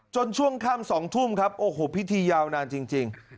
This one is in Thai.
ช่วงค่ำ๒ทุ่มครับโอ้โหพิธียาวนานจริง